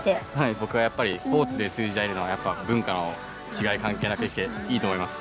僕はやっぱりスポーツで通じ合えるのはやっぱ文化の違い関係なくしていいと思います。